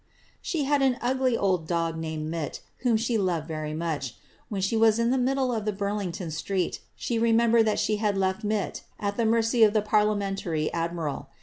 ^^She md an old ugly dog, called Mitte, whom she loved very much ; when lie was in tlxe middle of Burlington street, she remembered that she lad left Mitte at the mercy of the parliamentary admiral.